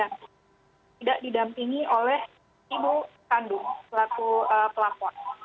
yang sudah didampingi oleh ibu kandung pelaku pelakuan